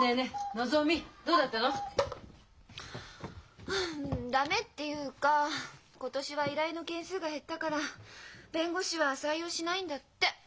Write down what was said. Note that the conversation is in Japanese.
のぞみどうだったの？はあ駄目っていうか今年は依頼の件数が減ったから弁護士は採用しないんだって。